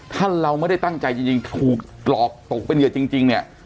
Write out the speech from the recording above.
ถ้าเราไม่ได้ตั้งใจจริงจริงถูกหลอกตกไปเหนือจริงจริงเนี่ย